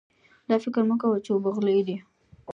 دا فکر مه کوه چې اوبه غلې دي.